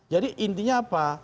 jadi intinya apa